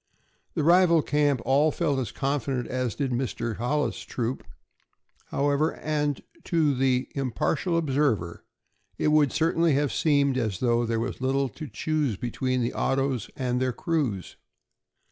The rival camp all felt as confident as did Mr. Hollis' troop, however, and to the impartial observer it would certainly have seemed as though there was little to choose between the autos and their crews.